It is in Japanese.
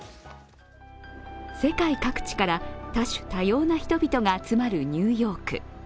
世界各地から多種多様な人々が集まるニューヨーク。